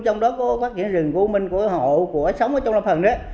trong đó có phát triển rừng của u minh của hộ của sống ở trong lâm phòng đấy